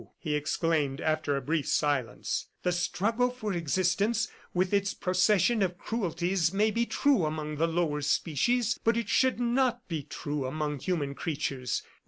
he exclaimed after a brief silence. "The struggle for existence with its procession of cruelties may be true among the lower species, but it should not be true among human creatures.